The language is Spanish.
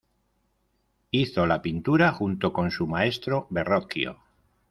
Hizo la pintura junto con su maestro Verrocchio.